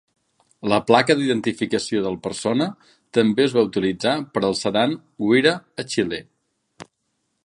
La placa d'identificació del Persona també es va utilitzar per al sedan Wira a Xile.